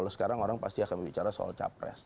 sekarang orang pasti akan bicara soal capres